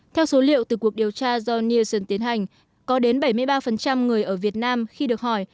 theo số liệu từ cuộc điều tra do nielsen tiến hành có đến bảy mươi ba người ở việt nam khi được hỏi